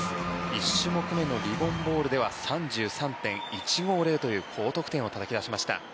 １種目めのリボン・ボールでは３３．１５０という高得点をたたき出しました。